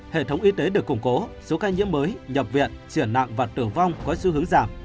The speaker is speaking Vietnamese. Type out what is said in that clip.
hệ thống y tế được củng cố số ca nhiễm mới nhập viện triển nặng và tử vong có xu hướng giảm